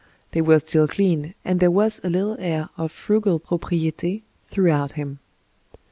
They were still clean, and there was a little air of frugal propriety throughout him.